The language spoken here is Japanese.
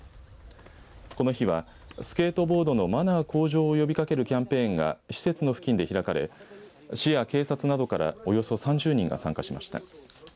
この日はスケートボードのマナー向上を呼びかけるキャンペーンが施設の付近で開かれ市や警察などからおよそ３０人が参加しました。